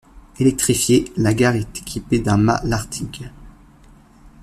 Électrifiée, la gare est équipée d'un mat Lartigue.